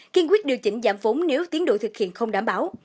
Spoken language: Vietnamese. kiên quyết điều chỉnh giảm vốn nếu tiến độ thực hiện không đảm bảo